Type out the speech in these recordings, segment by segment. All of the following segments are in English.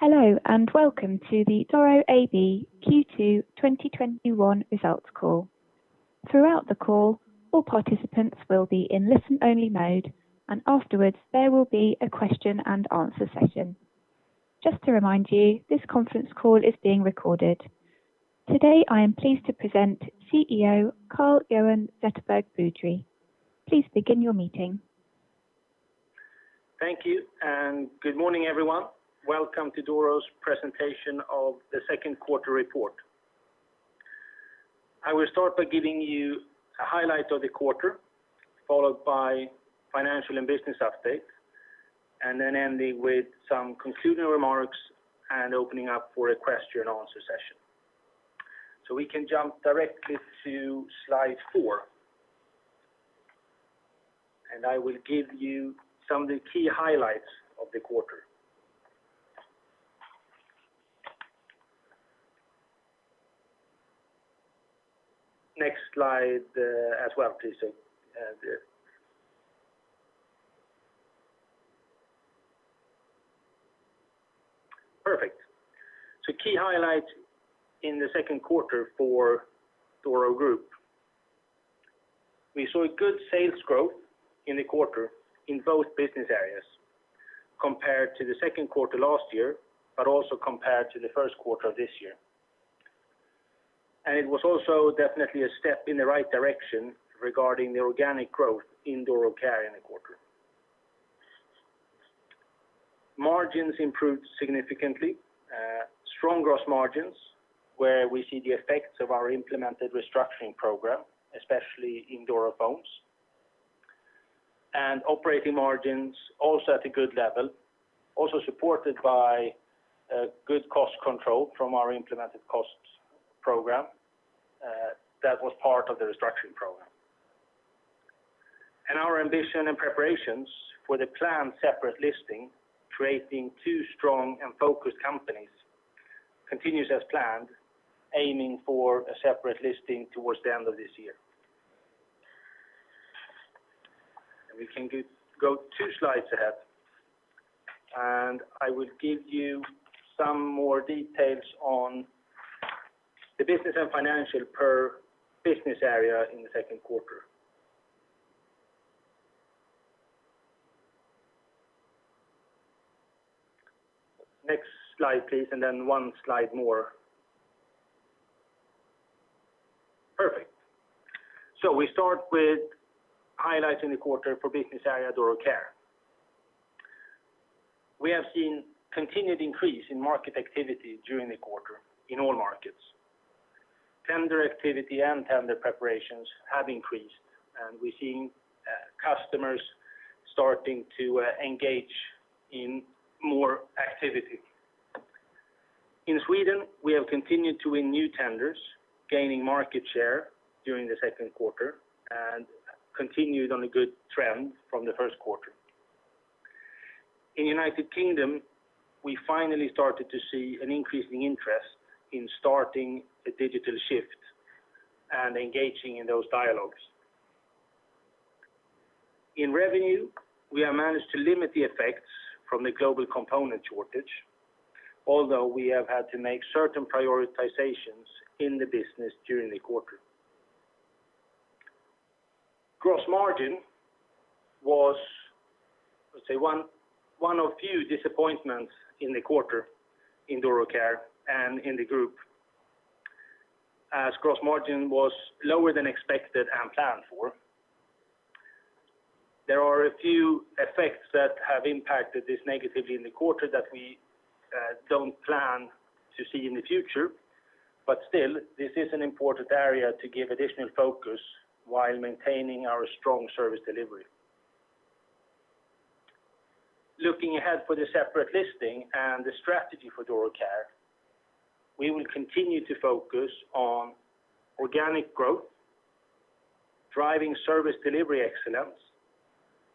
Hello, welcome to the Doro AB Q2 2021 results call. Throughout the call, all participants will be in listen-only mode, and afterwards, there will be a question and answer session. Just to remind you, this conference call is being recorded. Today, I am pleased to present CEO Carl-Johan Zetterberg Boudrie. Thank you, and good morning, everyone. Welcome to Doro's presentation of the second quarter report. I will start by giving you a highlight of the quarter, followed by financial and business updates, and then ending with some concluding remarks and opening up for a question and answer session. We can jump directly to Slide 4, and I will give you some of the key highlights of the quarter. Next slide as well, please. Perfect. Key highlights in the second quarter for Doro Group. We saw good sales growth in the quarter in both business areas compared to the second quarter last year, but also compared to the first quarter of this year. It was also definitely a step in the right direction regarding the organic growth in Doro Care in the quarter. Margins improved significantly. Strong gross margins where we see the effects of our implemented restructuring program, especially in Doro Phones. Operating margins also at a good level, also supported by good cost control from our implemented cost program that was part of the restructuring program. Our ambition and preparations for the planned separate listing, creating two strong and focused companies, continues as planned, aiming for a separate listing towards the end of this year. We can go two slides ahead, and I will give you some more details on the business and financial per business area in the second quarter. Next slide, please, then one slide more. Perfect. We start with highlights in the quarter for business area Doro Care. We have seen continued increase in market activity during the quarter in all markets. Tender activity and tender preparations have increased. We're seeing customers starting to engage in more activity. In Sweden, we have continued to win new tenders, gaining market share during the second quarter and continued on a good trend from the first quarter. In the U.K., we finally started to see an increasing interest in starting a digital shift and engaging in those dialogues. In revenue, we have managed to limit the effects from the global component shortage, although we have had to make certain prioritizations in the business during the quarter. Gross margin was, let's say, one of few disappointments in the quarter in Doro Care and in the group, as gross margin was lower than expected and planned for. There are a few effects that have impacted this negatively in the quarter that we don't plan to see in the future. Still, this is an important area to give additional focus while maintaining our strong service delivery. Looking ahead for the separate listing and the strategy for Doro Care, we will continue to focus on organic growth, driving service delivery excellence,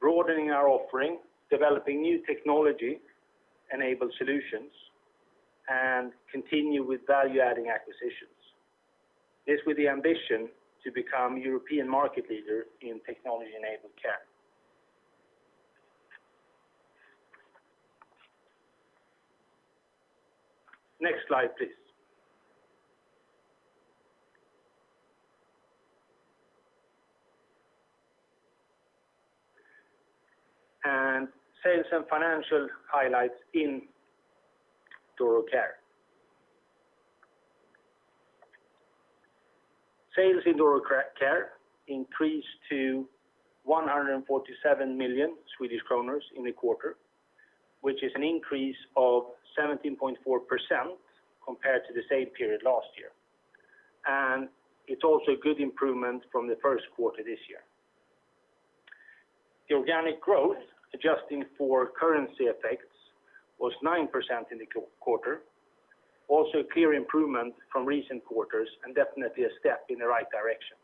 broadening our offering, developing new technology-enabled solutions, and continue with value-adding acquisitions. This with the ambition to become European market leader in technology-enabled care. Next slide, please. Sales and financial highlights in Doro Care. Sales in Doro Care increased to 147 million Swedish kronor in the quarter, which is an increase of 17.4% compared to the same period last year. It's also a good improvement from the first quarter this year. The organic growth, adjusting for currency effects, was 9% in the quarter. Also a clear improvement from recent quarters and definitely a step in the right direction.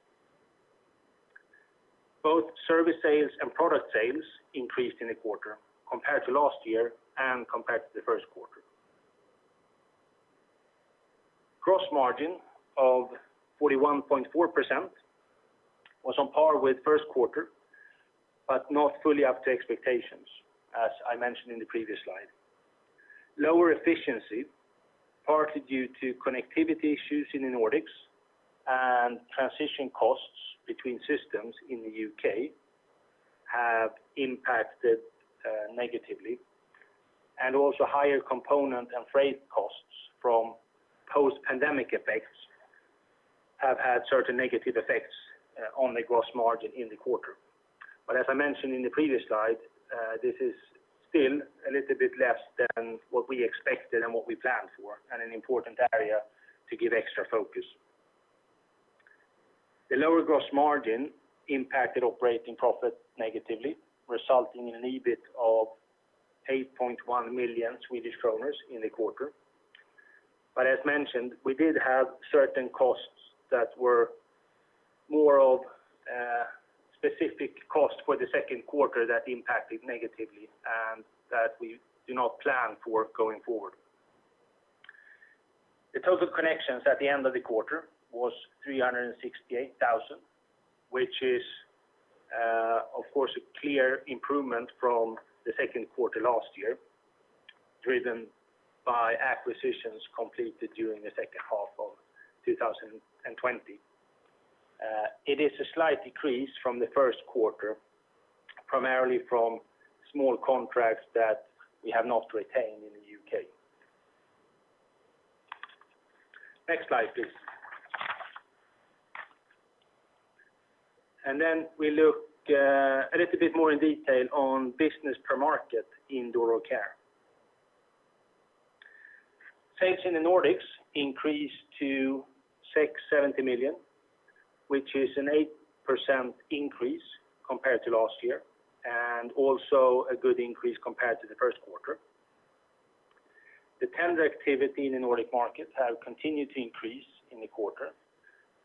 Both service sales and product sales increased in the quarter compared to last year and compared to the first quarter. Gross margin of 41.4% was on par with first quarter, not fully up to expectations, as I mentioned in the previous slide. Lower efficiency, partly due to connectivity issues in the Nordics and transition costs between systems in the U.K., have impacted negatively. Also higher component and freight costs from post-pandemic effects have had certain negative effects on the gross margin in the quarter. As I mentioned in the previous slide, this is still a little bit less than what we expected and what we planned for, and an important area to give extra focus. The lower gross margin impacted operating profit negatively, resulting in an EBIT of 8.1 million Swedish kronor in the quarter. As mentioned, we did have certain costs that were more of specific cost for the second quarter that impacted negatively and that we do not plan for going forward. The total connections at the end of the quarter was 368,000, which is, of course, a clear improvement from the second quarter last year, driven by acquisitions completed during the second half of 2020. It is a slight decrease from the first quarter, primarily from small contracts that we have not retained in the U.K. Next slide, please. We look a little bit more in detail on business per market in Doro Care. Sales in the Nordics increased to 670 million, which is an 8% increase compared to last year, and also a good increase compared to the first quarter. The tender activity in the Nordic markets have continued to increase in the quarter,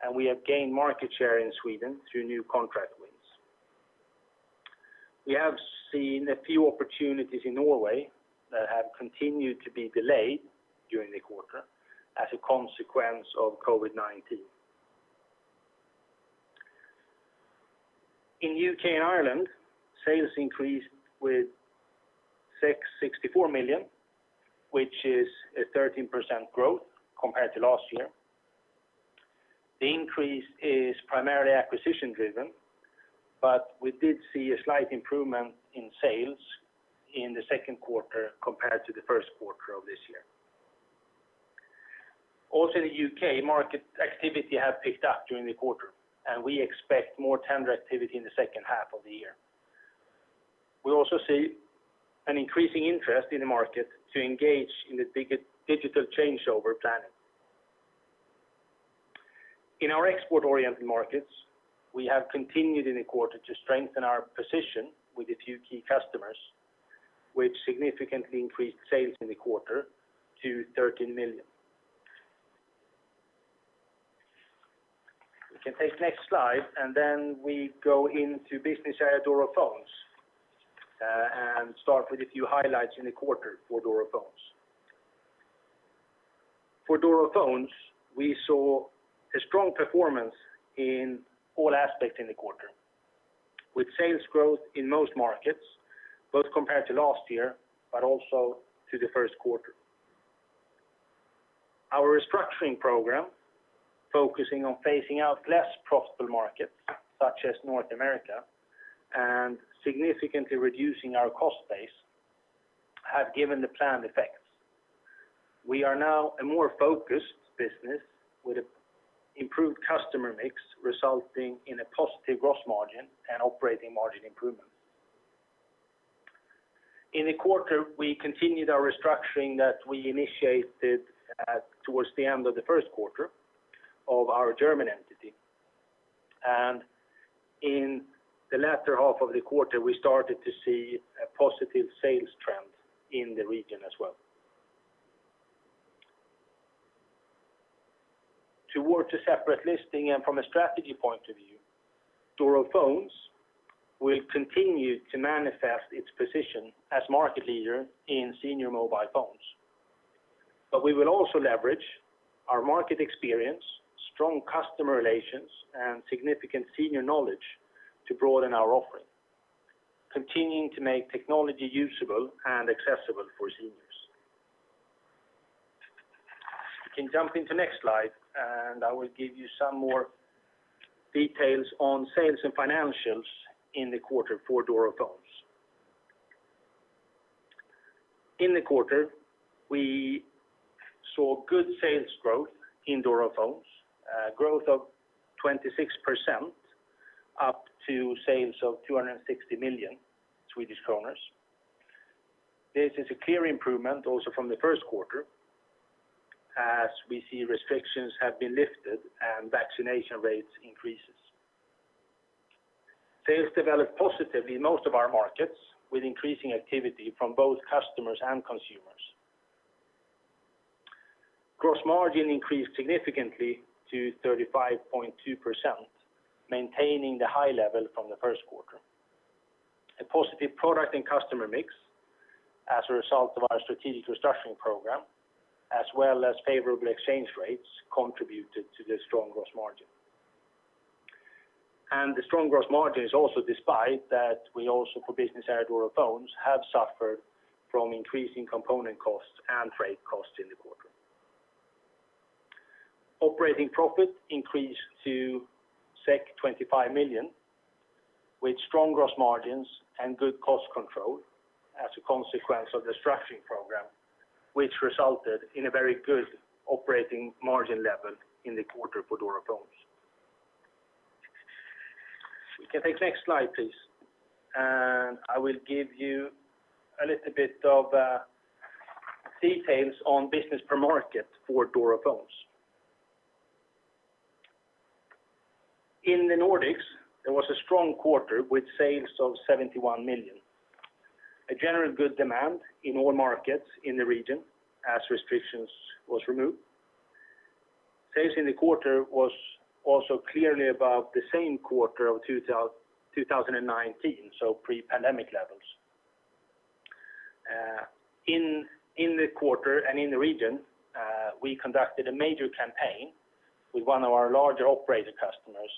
and we have gained market share in Sweden through new contract wins. We have seen a few opportunities in Norway that have continued to be delayed during the quarter as a consequence of COVID-19. In U.K. and Ireland, sales increased with 66.4 million, which is a 13% growth compared to last year. The increase is primarily acquisition-driven, but we did see a slight improvement in sales in the second quarter compared to the first quarter of this year. Also in the U.K., market activity have picked up during the quarter, and we expect more tender activity in the second half of the year. We also see an increasing interest in the market to engage in the digital changeover planning. In our export-oriented markets, we have continued in the quarter to strengthen our position with a few key customers, which significantly increased sales in the quarter to 13 million. We can take the next slide, and then we go into business area Doro Phones, and start with a few highlights in the quarter for Doro Phones. For Doro Phones, we saw a strong performance in all aspects in the quarter. With sales growth in most markets, both compared to last year, but also to the first quarter. Our restructuring program, focusing on phasing out less profitable markets such as North America and significantly reducing our cost base, have given the planned effects. We are now a more focused business with an improved customer mix, resulting in a positive gross margin and operating margin improvement. In the quarter, we continued our restructuring that we initiated towards the end of the first quarter of our German entity. In the latter half of the quarter, we started to see a positive sales trend in the region as well. Towards a separate listing and from a strategy point of view, Doro Phones will continue to manifest its position as market leader in senior mobile phones. We will also leverage our market experience, strong customer relations, and significant senior knowledge to broaden our offering, continuing to make technology usable and accessible for seniors. We can jump into next slide, and I will give you some more details on sales and financials in the quarter for Doro Phones. In the quarter, we saw good sales growth in Doro Phones, a growth of 26% up to sales of 260 million Swedish kronor. This is a clear improvement also from the first quarter, as we see restrictions have been lifted and vaccination rates increases. Sales developed positively in most of our markets, with increasing activity from both customers and consumers. Gross margin increased significantly to 35.2%, maintaining the high level from the first quarter. A positive product and customer mix as a result of our strategic restructuring program, as well as favorable exchange rates contributed to the strong gross margin. The strong gross margin is also despite that we also, for business area Doro Phones, have suffered from increasing component costs and freight costs in the quarter. Operating profit increased to 25 million, with strong gross margins and good cost control as a consequence of the structuring program, which resulted in a very good operating margin level in the quarter for Doro Phones. We can take next slide, please. I will give you a little bit of details on business per market for Doro Phones. In the Nordics, there was a strong quarter with sales of 71 million. A general good demand in all markets in the region as restrictions was removed. Sales in the quarter was also clearly above the same quarter of 2019, so pre-pandemic levels. In the quarter and in the region, we conducted a major campaign with one of our larger operator customers,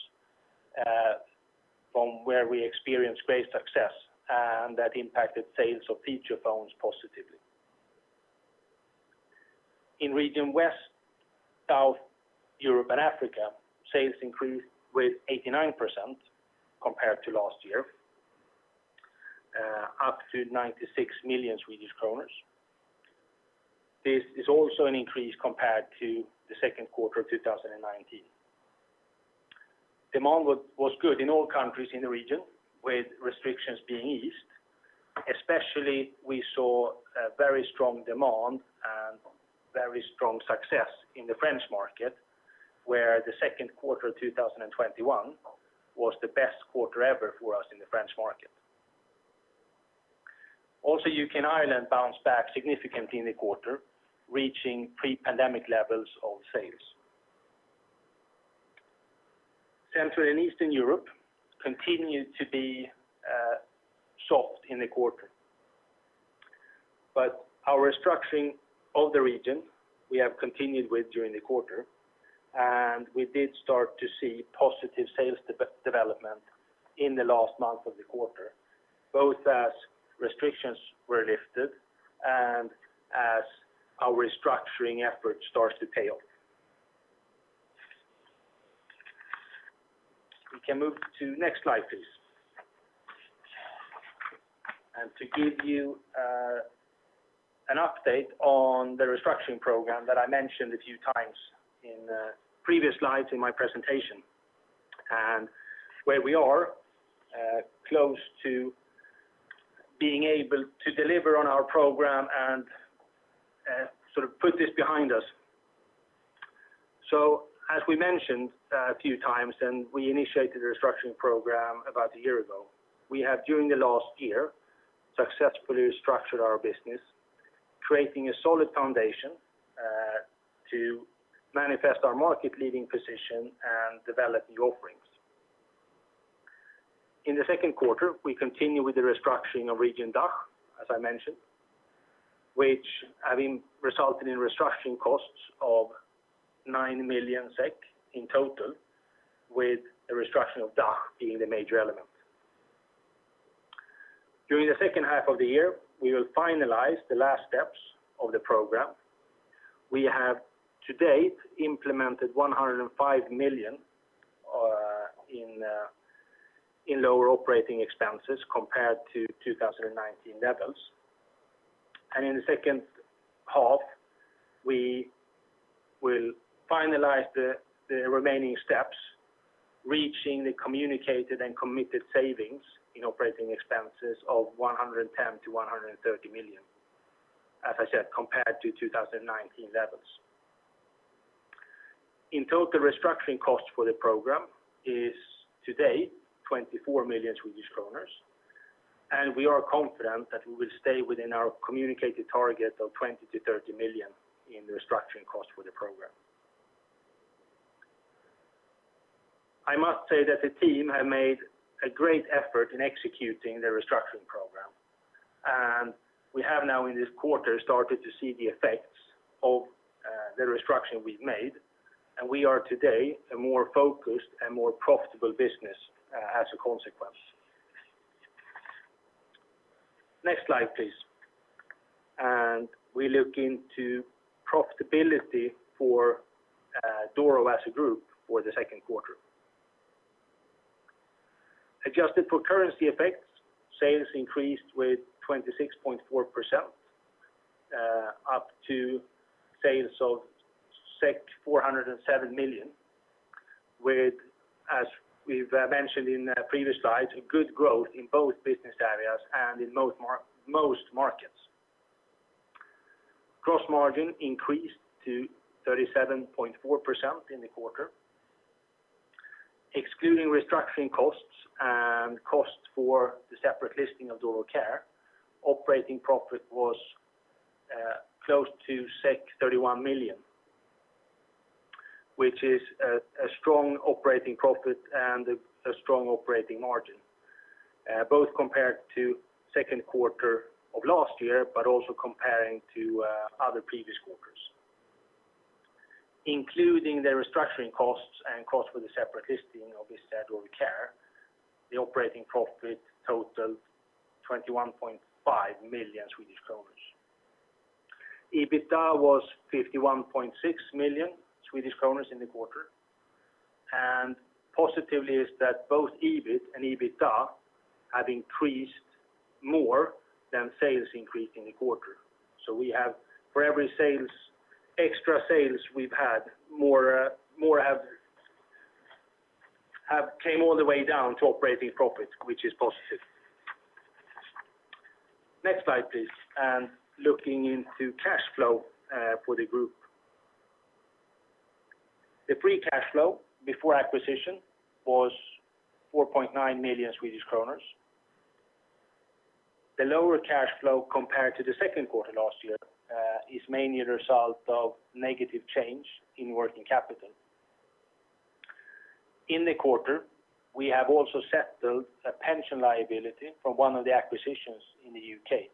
from where we experienced great success, and that impacted sales of feature phones positively. In region West, South Europe and Africa, sales increased with 89% compared to last year, up to 96 million Swedish kronor. This is also an increase compared to the second quarter of 2019. Demand was good in all countries in the region, with restrictions being eased. Especially, we saw a very strong demand and very strong success in the French market, where the second quarter 2021 was the best quarter ever for us in the French market. Also U.K. and Ireland bounced back significantly in the quarter, reaching pre-pandemic levels of sales. Central and Eastern Europe continued to be soft in the quarter. Our restructuring of the region, we have continued with during the quarter, and we did start to see positive sales development in the last month of the quarter, both as restrictions were lifted and as our restructuring effort starts to pay off. We can move to next slide, please. To give you an update on the restructuring program that I mentioned a few times in previous slides in my presentation, and where we are close to being able to deliver on our program and sort of put this behind us. As we mentioned a few times, we initiated a restructuring program about a year ago. We have, during the last year, successfully restructured our business, creating a solid foundation to manifest our market-leading position and develop new offerings. In the second quarter, we continue with the restructuring of region DACH, as I mentioned, which having resulted in restructuring costs of 9 million SEK in total, with the restructuring of DACH being the major element. During the second half of the year, we will finalize the last steps of the program. We have to date implemented 105 million in lower operating expenses compared to 2019 levels. In the second half, we will finalize the remaining steps, reaching the communicated and committed savings in operating expenses of 110 million-130 million, as I said, compared to 2019 levels. In total, restructuring cost for the program is today 24 million Swedish kronor, we are confident that we will stay within our communicated target of 20 million-30 million in the restructuring cost for the program. I must say that the team have made a great effort in executing the restructuring program, we have now in this quarter started to see the effects of the restructuring we've made, we are today a more focused and more profitable business as a consequence. Next slide, please. We look into profitability for Doro as a group for the second quarter. Adjusted for currency effects, sales increased with 26.4%, up to sales of 407 million with, as we've mentioned in previous slides, a good growth in both business areas and in most markets. Gross margin increased to 37.4% in the quarter. Excluding restructuring costs and cost for the separate listing of Doro Care, operating profit was close to 31 million. Which is a strong operating profit and a strong operating margin, both compared to second quarter of last year, but also comparing to other previous quarters. Including the restructuring costs and cost for the separate listing of this Doro Care, the operating profit totaled 21.5 million Swedish kronor. EBITDA was 51.6 million Swedish kronor in the quarter. Positively is that both EBIT and EBITDA have increased more than sales increase in the quarter. We have for every extra sales we've had, more have came all the way down to operating profit, which is positive. Next slide, please. Looking into cash flow for the group. The free cash flow before acquisition was 4.9 million Swedish kronor. The lower cash flow compared to the second quarter last year, is mainly a result of negative change in working capital. In the quarter, we have also settled a pension liability from one of the acquisitions in the U.K.,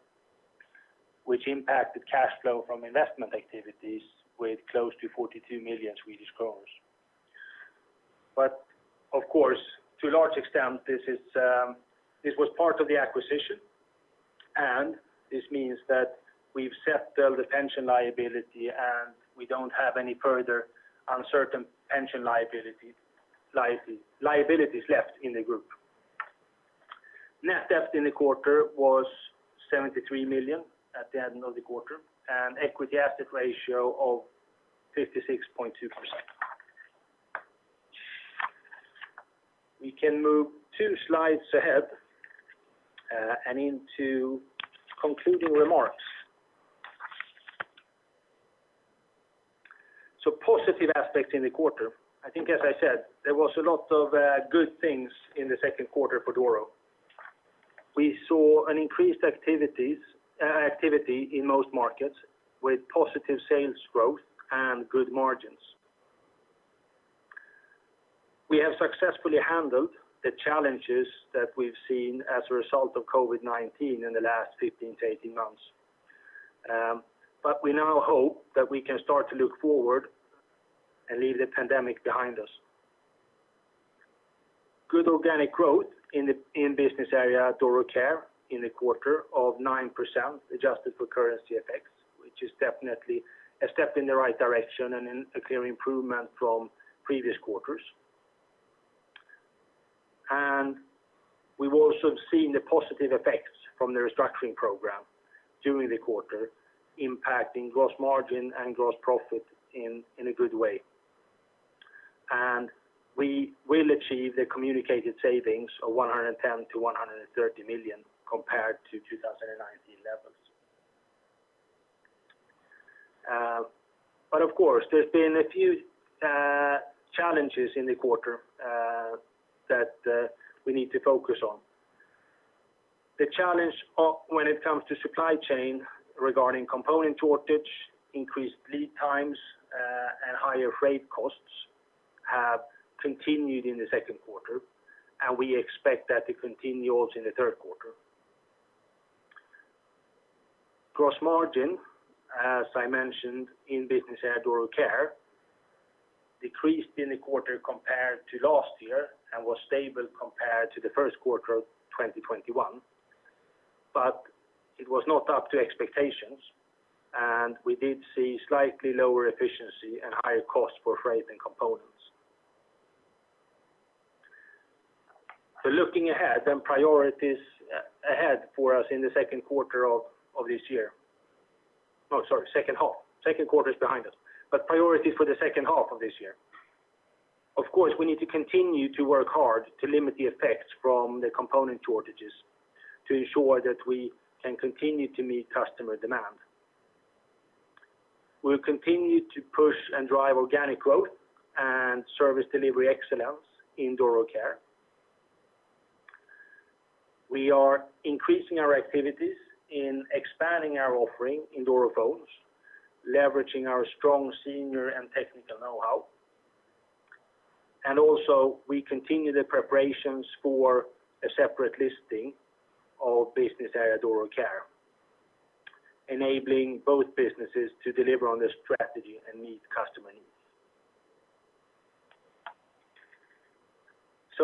which impacted cash flow from investment activities with close to 42 million Swedish crowns. Of course, to a large extent, this was part of the acquisition, and this means that we've settled the pension liability, and we don't have any further uncertain pension liabilities left in the group. Net debt in the quarter was 73 million at the end of the quarter, and equity asset ratio of 56.2%. We can move two slides ahead, and into concluding remarks. Positive aspects in the quarter. I think as I said, there was a lot of good things in the second quarter for Doro. We saw an increased activity in most markets with positive sales growth and good margins. We have successfully handled the challenges that we've seen as a result of COVID-19 in the last 15 to 18 months. We now hope that we can start to look forward and leave the pandemic behind us. Good organic growth in business area Doro Care in the quarter of 9%, adjusted for currency effects, which is definitely a step in the right direction and a clear improvement from previous quarters. We've also seen the positive effects from the restructuring program during the quarter, impacting gross margin and gross profit in a good way. We will achieve the communicated savings of 110 million-130 million compared to 2019 levels. Of course there's been a few challenges in the quarter that we need to focus on. The challenge when it comes to supply chain regarding component shortage, increased lead times, and higher freight costs have continued in the second quarter. We expect that to continue also in the third quarter. Gross margin, as I mentioned in business area Doro Care, decreased in the quarter compared to last year and was stable compared to the first quarter of 2021. It was not up to expectations. We did see slightly lower efficiency and higher cost for freight and components. Looking ahead, then, priorities ahead for us in the second quarter of this year. No, sorry, second half. Second quarter is behind us. Priorities for the second half of this year. Of course, we need to continue to work hard to limit the effects from the component shortages to ensure that we can continue to meet customer demand. We'll continue to push and drive organic growth and service delivery excellence in Doro Care. We are increasing our activities in expanding our offering in Doro Phones, leveraging our strong senior and technical knowhow. Also we continue the preparations for a separate listing of business area Doro Care, enabling both businesses to deliver on the strategy and meet customer needs.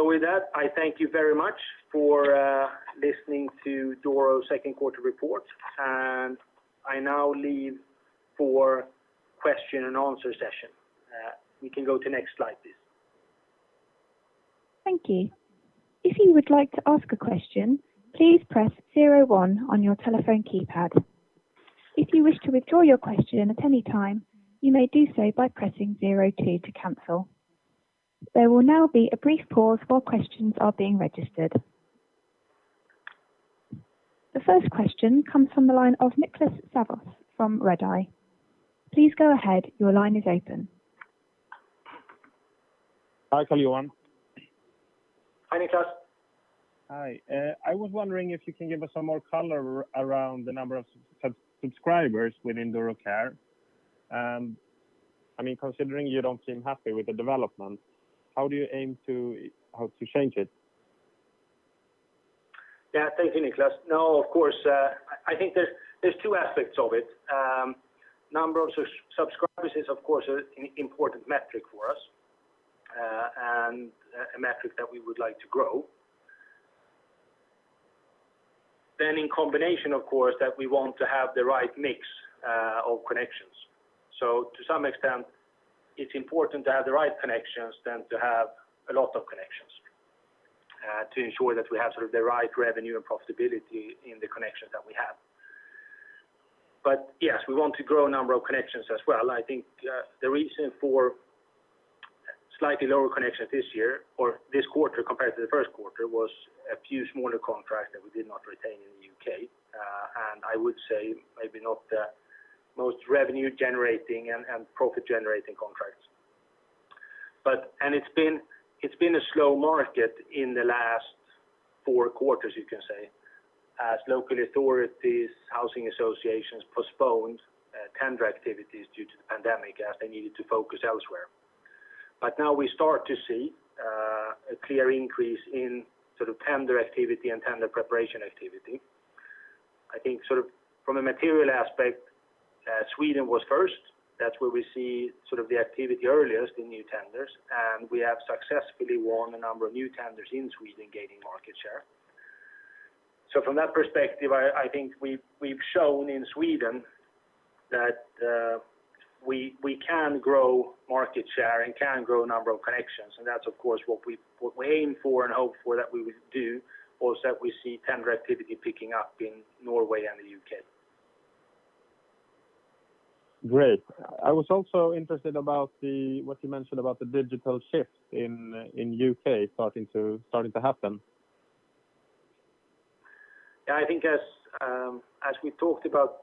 With that, I thank you very much for listening to Doro's second quarter report, and I now leave for question and answer session. We can go to next slide, please. Thank you. If you would like to ask a question, please press 01 on your telephone keypad. If you wish to withdraw your question at any time, you may do so by pressing 02 to cancel. There will now be a brief pause while questions are being registered. The first question comes from the line of Niklas Sävås from Redeye. Please go ahead. Your line is open. Hi, Carl-Johan. Hi, Niklas. Hi. I was wondering if you can give us some more color around the number of subscribers within Doro Care. Considering you don't seem happy with the development, how do you aim to help to change it? Yeah, thank you, Niklas. No, of course, I think there's two aspects of it. Number of subscribers is, of course, an important metric for us, and a metric that we would like to grow. In combination, of course, that we want to have the right mix of connections. To some extent, it's important to have the right connections than to have a lot of connections, to ensure that we have sort of the right revenue and profitability in the connections that we have. Yes, we want to grow number of connections as well. I think the reason for slightly lower connections this year or this quarter compared to the first quarter was a few smaller contracts that we did not retain in the U.K. I would say maybe not the most revenue-generating and profit-generating contracts. It's been a slow market in the last four quarters, you can say, as local authorities, housing associations postponed tender activities due to the pandemic as they needed to focus elsewhere. Now we start to see a clear increase in tender activity and tender preparation activity. I think from a material aspect, Sweden was first. That's where we see the activity earliest in new tenders, and we have successfully won a number of new tenders in Sweden gaining market share. From that perspective, I think we've shown in Sweden that we can grow market share and can grow number of connections, and that's of course what we aim for and hope for that we will do, also that we see tender activity picking up in Norway and the U.K. Great. I was also interested about what you mentioned about the digital shift in U.K. starting to happen. Yeah, I think as we talked about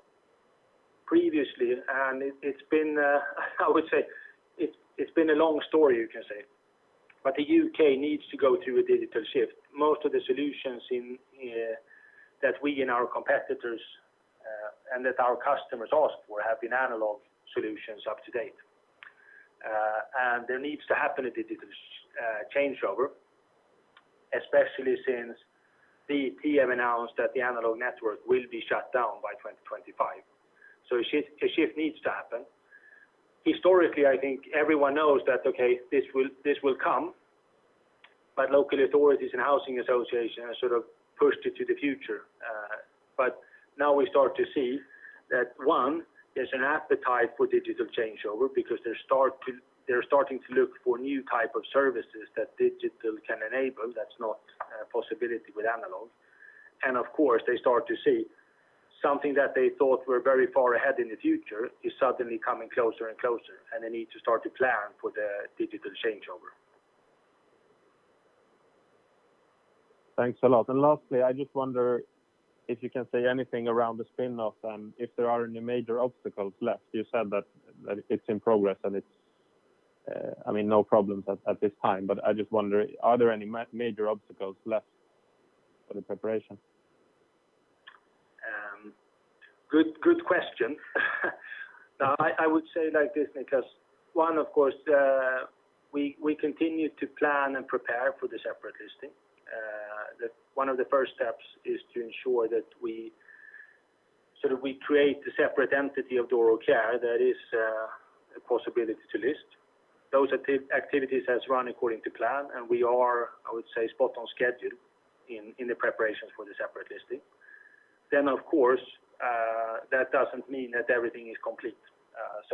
previously, I would say it's been a long story, you can say. The U.K. needs to go through a digital shift. Most of the solutions that we and our competitors, and that our customers asked for have been analog solutions up to date. There needs to happen a digital changeover, especially since the PSTN announced that the analog network will be shut down by 2025. A shift needs to happen. Historically, I think everyone knows that, okay, this will come, but local authorities and housing associations have sort of pushed it to the future. Now we start to see that, one, there's an appetite for digital changeover because they're starting to look for new type of services that digital can enable that's not a possibility with analog. Of course, they start to see something that they thought were very far ahead in the future is suddenly coming closer and closer, and they need to start to plan for the digital changeover. Thanks a lot. Lastly, I just wonder if you can say anything around the spinoff and if there are any major obstacles left. You said that it's in progress and it's no problems at this time. I just wonder, are there any major obstacles left for the preparation? Good question. I would say it like this, Niklas. One, of course, we continue to plan and prepare for the separate listing. One of the first steps is to ensure that we create a separate entity of Doro Care that is a possibility to list. Those activities has run according to plan. We are, I would say, spot on schedule in the preparations for the separate listing. Of course, that doesn't mean that everything is complete.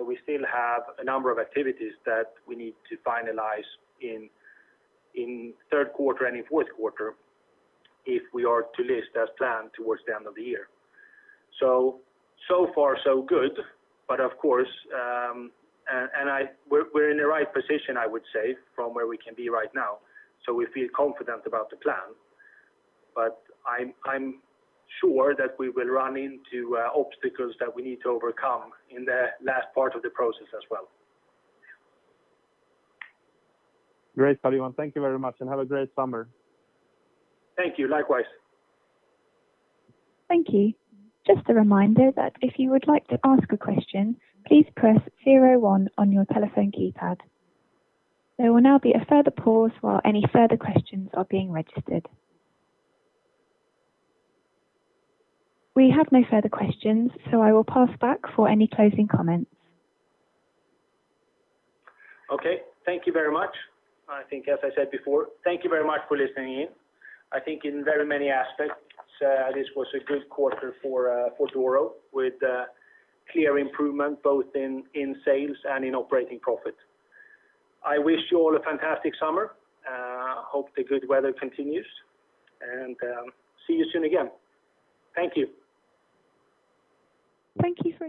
We still have a number of activities that we need to finalize in third quarter and in fourth quarter if we are to list as planned towards the end of the year. So far so good, but of course, we're in the right position, I would say, from where we can be right now. We feel confident about the plan, but I'm sure that we will run into obstacles that we need to overcome in the last part of the process as well. Great, Carl. Thank you very much and have a great summer. Thank you. Likewise. Thank you. Just a reminder that if you would like to ask a question, please press 01 on your telephone keypad. There will now be a further pause while any further questions are being registered. We have no further questions, so I will pass back for any closing comments. Okay. Thank you very much. I think as I said before, thank you very much for listening in. I think in very many aspects, this was a good quarter for Doro, with clear improvement both in sales and in operating profit. I wish you all a fantastic summer. Hope the good weather continues. See you soon again. Thank you. Thank you for